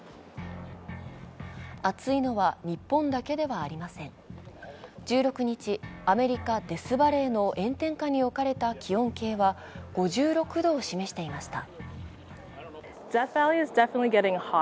暑いのは日本だけではありません１６日、アメリカ・デスバレーの炎天下に置かれた気温計は５６度を示していました。